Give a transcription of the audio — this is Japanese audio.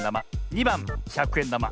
２ばんひゃくえんだま。